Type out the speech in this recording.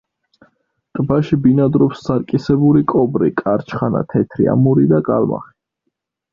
ტბაში ბინადრობს სარკისებური კობრი, კარჩხანა, თეთრი ამური და კალმახი.